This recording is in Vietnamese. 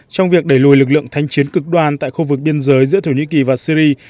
trong việc đẩy lùi lực lượng thanh chiến cực đoan tại khu vực biên giới giữa thổ nhĩ kỳ và syri